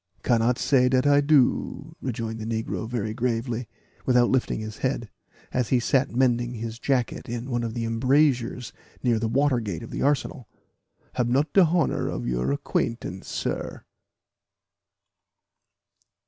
"Cannot say dat I do," rejoined the negro, very gravely, without lifting his head, as he sat mending his jacket in one of the embrasures near the water gate of the arsenal "Hab not de honour of your acquaintance, sir."